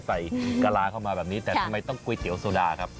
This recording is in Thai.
กะลาเข้ามาแบบนี้แต่ทำไมต้องก๋วยเตี๋ยวโซดาครับ